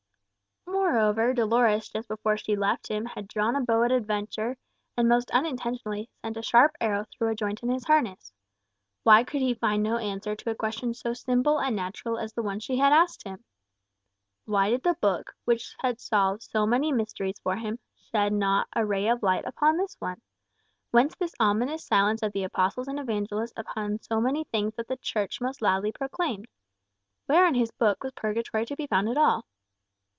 Moreover, Dolores, just before she left him, had drawn a bow at a venture, and most unintentionally sent a sharp arrow through a joint in his harness. Why could he find no answer to a question so simple and natural as the one she had asked him? Why did the Book, which had solved so many mysteries for him, shed not a ray of light upon this one? Whence this ominous silence of the apostles and evangelists upon so many things that the Church most loudly proclaimed? Where, in his Book, was purgatory to be found at all?